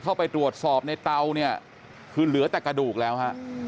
เข้าไปตรวจสอบในเตาเนี่ยคือเหลือแต่กระดูกแล้วฮะ